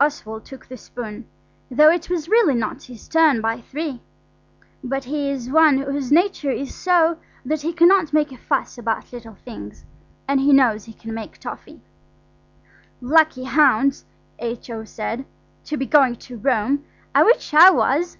Oswald took the spoon, though it was really not his turn by three; but he is one whose nature is so that he cannot make a fuss about little things–and he knows he can make toffee. "Lucky hounds," H.O. said, "to be going to Rome. I wish I was."